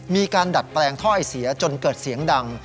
มีการดัดแปลงถ้อยเสียจนเกิดเสียงดัง